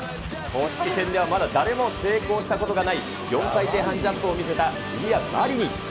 公式戦ではまだ誰も成功したことがない４回転半ジャンプを見せたイリア・マリニン。